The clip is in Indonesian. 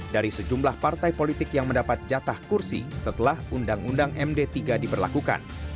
dari sejumlah partai politik yang mendapat jatah kursi setelah undang undang md tiga diberlakukan